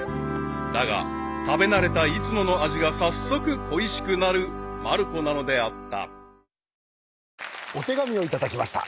［だが食べ慣れたいつもの味が早速恋しくなるまる子なのであった］